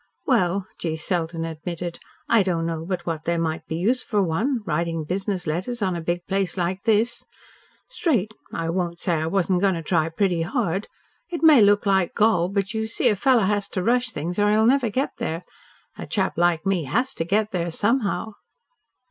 "Well," G. Selden admitted, "I didn't know but what there might be use for one, writing business letters on a big place like this. Straight, I won't say I wasn't going to try pretty hard. It may look like gall, but you see a fellow has to rush things or he'll never get there. A chap like me HAS to get there, somehow."